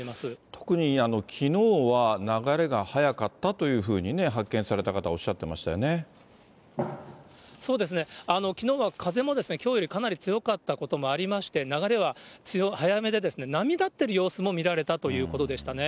特にきのうは、流れが速かったというふうに、発見された方、そうですね、きのうは風もきょうよりかなり強かったこともありまして、流れは速めで、波立っている様子も見られたということでしたね。